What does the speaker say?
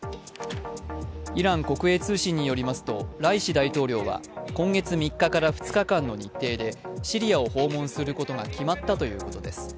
イラン国営通信によりますと、ライシ大統領は今月３日から２日間の日程でシリアを訪問することが決まったということです。